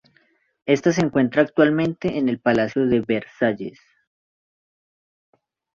Ésta se encuentra actualmente en el Palacio de Versailles.